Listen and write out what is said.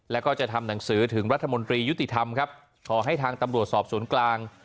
แล้วก็จะทำหนังสือถึงรัฐมนตรียุติธรรมครับขอให้ทางตำรวจสอบสวนกลาง